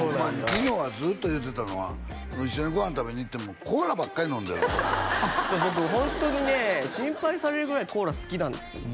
ニノがずっと言うてたのは一緒にご飯食べに行ってもコーラばっかり飲んでるとそう僕ホントにね心配されるぐらいコーラ好きなんですよ